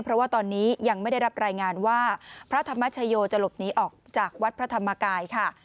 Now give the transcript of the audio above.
เพราะว่าตอนนี้ยังไม่ได้รับรายงานว่าพระธรรมชโยจะหลบหนีออกจากวัดพระธรรมกายค่ะ